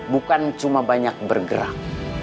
bukan cuma banyak bergerak